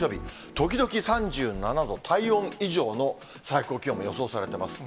ときどき３７度、体温以上の最高気温が予想されてます。